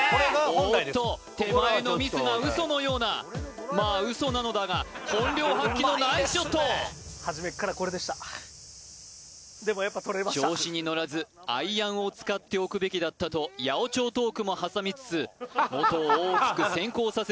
おっと手前のミスがウソのようなまあウソなのだが本領発揮のナイスショットでもやっぱ取れました調子に乗らずアイアンを使っておくべきだったと八百長トークも挟みつつモトを大きく先行させる